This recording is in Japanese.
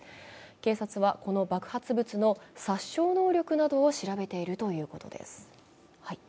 警察はこの爆発物の殺傷能力などを調べているということです。